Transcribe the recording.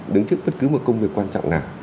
đứng trước bất cứ một công việc quan trọng nào